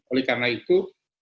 oleh karena itu